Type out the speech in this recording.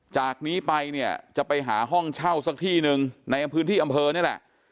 จากนี้ไปเนี่ยจะไปหาห้องเช่าสักที่หนึ่งในพื้นที่อำเภอนี่แหละ